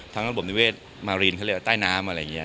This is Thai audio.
ระบบนิเวศมารีนเขาเรียกว่าใต้น้ำอะไรอย่างนี้